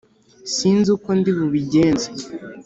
sinzi uko ndibubigenze